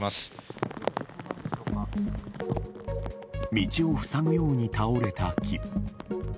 道を塞ぐように倒れた木。